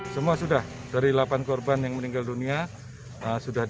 semua sudah dari delapan korban yang meninggal dunia